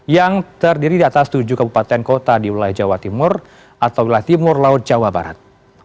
yang terdiri atas tujuh kabupaten kota di wilayah jawa timur atau wilayah timur laut jawa barat